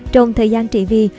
trong thời gian trị vi